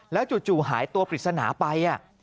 จู่หายตัวปริศนาไป